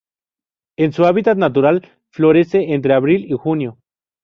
En su hábitat natural, florece entre abril y junio.